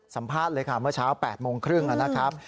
สัมภาษณ์เลยค่ะเมื่อเช้า๘โมงครึ่งนะครับ